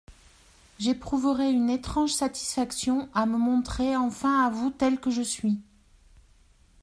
J’éprouverais une étrange satisfaction à me montrer enfin à vous tel que je suis.